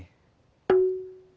nah bedanya sangat terlihat